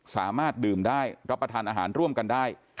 สามารถดื่มได้รับประทานอาหารร่วมกันได้